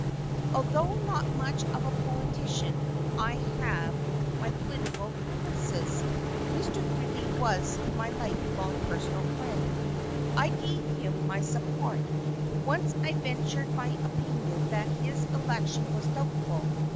Although not much of a politician I have my political preferences. Mr. Greeley was my life long personal friend. I gave him my support. Once I ventured my opinion that his election was doubtful.